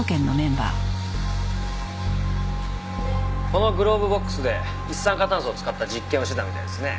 このグローブボックスで一酸化炭素を使った実験をしてたみたいですね。